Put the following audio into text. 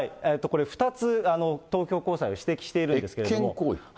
これ、２つ東京高裁が指摘しているんですけれども。